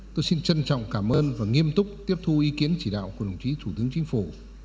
tôi xin trân trọng cảm ơn và nghiêm túc tiếp thu ý kiến chỉ đạo của đồng chí thủ tướng chính phủ